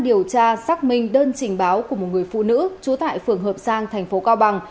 điều tra xác minh đơn trình báo của một người phụ nữ trú tại phường hợp giang thành phố cao bằng